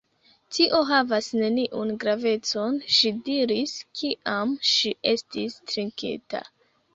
Tio havas neniun gravecon, ŝi diris, kiam ŝi estis trinkinta.